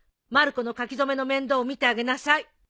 まる子の書き初めの面倒を見てあげなさい。